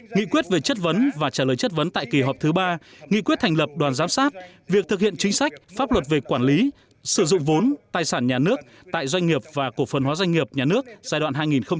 nghị quyết về chất vấn và trả lời chất vấn tại kỳ họp thứ ba nghị quyết thành lập đoàn giám sát việc thực hiện chính sách pháp luật về quản lý sử dụng vốn tài sản nhà nước tại doanh nghiệp và cổ phần hóa doanh nghiệp nhà nước giai đoạn hai nghìn một mươi sáu hai nghìn hai mươi